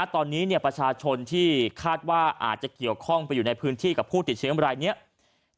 ตอนนี้ประชาชนที่คาดว่าอาจจะเกี่ยวข้องไปอยู่ในพื้นที่กับผู้ติดเชื้อรายนี้